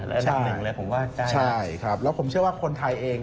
อันดับหนึ่งเลยผมว่าใช่ครับแล้วผมเชื่อว่าคนไทยเอง